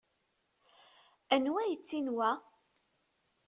Anwa ay yettin wa?